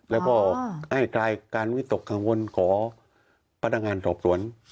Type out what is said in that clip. แล้วก็ให้การวิตกข้างบนขอพนักงานสอบสวน